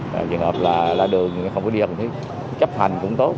trường hợp là đường không có đi không thì chấp hành cũng tốt